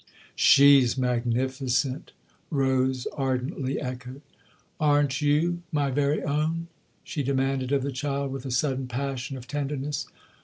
" She's magnificent !" Rose ardently echoed. " Aren't you, my very own ?" she demanded of the child, with a sudden passion of tenderness.